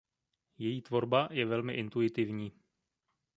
Její tvorba je velmi intuitivní.